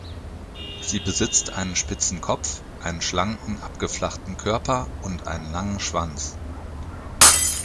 Sie besitzt einen spitzen Kopf, einen schlanken abgeflachten Körper und einen langen Schwanz.